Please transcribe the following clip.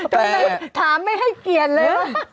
ทำไม่ให้เกลียนเลย